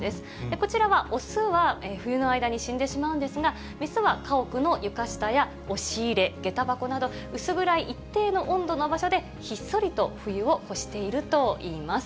こちらは雄は冬の間に死んでしまうんですが、雌は家屋の床下や押し入れ、下駄箱など、薄暗い一定の温度の場所でひっそりと冬を越しているといいます。